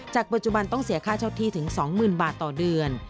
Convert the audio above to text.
ปัจจุบันต้องเสียค่าเช่าที่ถึง๒๐๐๐บาทต่อเดือน